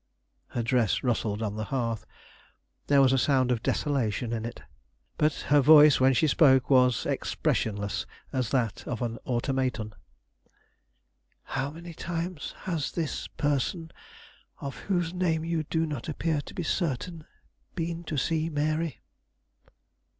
Her dress rustled on the hearth; there was a sound of desolation in it; but her voice when she spoke was expressionless as that of an automaton. "How many times has this person, of whose name you do not appear to be certain, been to see Mary?"